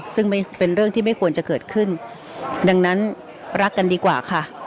ซึ่งไม่เป็นเรื่องที่ไม่ควรจะเกิดขึ้นดังนั้นรักกันดีกว่าค่ะ